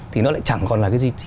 thì nó lại chẳng còn là cái gì